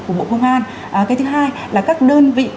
của bộ công an cái thứ hai là các đơn vị